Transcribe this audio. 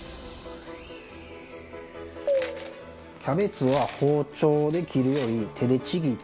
キャベツは包丁で切るより手でちぎって。